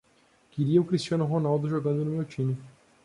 Queria o Cristiano Ronaldo jogando no meu time.